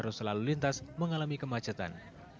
selalu lintas mengalami kemacetan